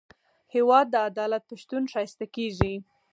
هېواد د عدالت په شتون ښایسته کېږي.